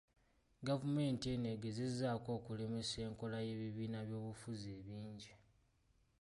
Gavumenti eno egezaako okulemesa enkola y’ebibiina by’obufuzi ebingi.